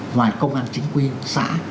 ngoài công an chính quyền xã